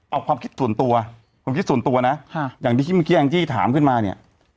เอาความคิดส่วนตัวความคิดส่วนตัวนะอย่างที่เมื่อกี้แองจี้ถามขึ้นมาเนี่ย